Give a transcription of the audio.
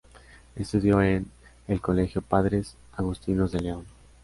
Estudió en el colegio Padres Agustinos de León.